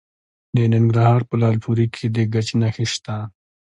د ننګرهار په لعل پورې کې د ګچ نښې شته.